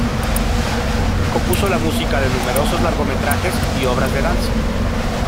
Compuso la música de numerosos largometrajes y obras de danza.